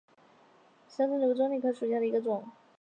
小省藤为棕榈科省藤属下的一个种。